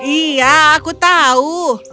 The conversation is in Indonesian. iya aku tahu